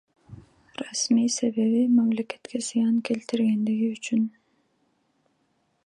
Расмий себеби — мамлекетке зыян келтиргендиги үчүн.